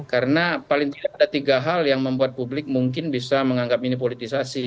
karena paling tidak ada tiga hal yang membuat publik mungkin bisa menganggap ini politisasi